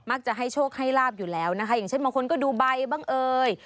จะให้โชคให้ลาบอยู่แล้วนะคะอย่างเช่นบางคนก็ดูใบบ้างเอ่ย